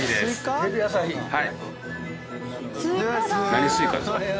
何スイカですか？